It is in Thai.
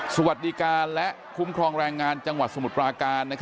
สวัสดีการและคุ้มครองแรงงานจังหวัดสมุทรปราการ